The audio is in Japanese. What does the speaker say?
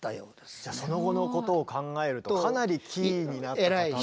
じゃあその後のことを考えるとかなりキーになった方。